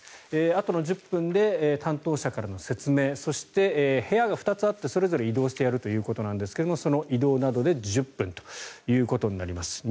あとの１０分で担当者からの説明そして部屋が２つあってそれぞれ移動してやるということなんですがその移動などで１０分ということになります。